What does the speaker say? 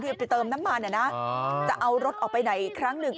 จะไปเติมน้ำมันนะจะเอารถออกไปไหนครั้งหนึ่ง